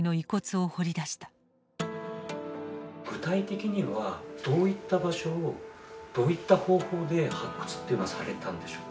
具体的にはどういった場所をどういった方法で発掘っていうのはされたんでしょうか？